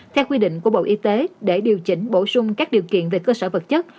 theo quy định của bộ y tế để điều chỉnh bổ sung các điều kiện về cơ sở vật chất